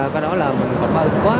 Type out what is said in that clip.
cái đó là mình cảm ơn quá